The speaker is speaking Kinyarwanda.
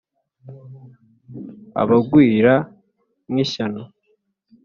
abagwira nk’ishyano,